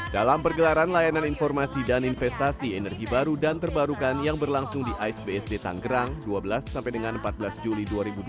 dalam pergelaran layanan informasi dan investasi energi baru dan terbarukan yang berlangsung di ais bsd tanggerang dua belas sampai dengan empat belas juli dua ribu dua puluh